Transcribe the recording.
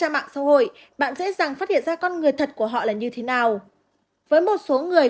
trang mạng xã hội bạn dễ dàng phát hiện ra con người thật của họ là như thế nào với một số người